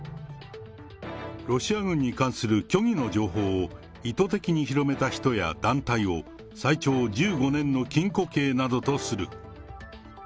ロシア軍に関する虚偽の情報を意図的に広めた人や団体を、最長１５年の禁錮刑などとする。